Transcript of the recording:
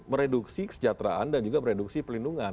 mereduksi kesejahteraan dan juga mereduksi pelindungan